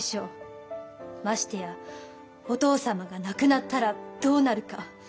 ましてやお父様が亡くなったらどうなるか。